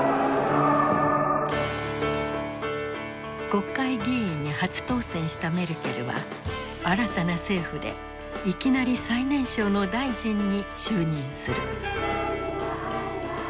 国会議員に初当選したメルケルは新たな政府でいきなり最年少の大臣に就任する。